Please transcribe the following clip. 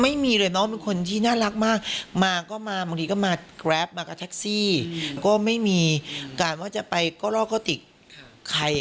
ไม่มีเลยน้องเป็นคนที่น่ารักมากมาก็มาบางทีก็มากราฟมากับแท็กซี่ก็ไม่มีการว่าจะไปก็ลอกกระติกใคร